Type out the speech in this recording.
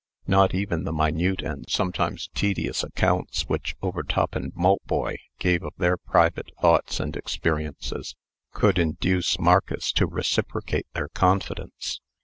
Not even the minute and sometimes tedious accounts which Overtop and Maltboy gave of their private thoughts and experiences, could induce Marcus to reciprocate their confidence.